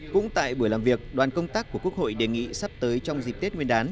cũng tại buổi làm việc đoàn công tác của quốc hội đề nghị sắp tới trong dịp tết nguyên đán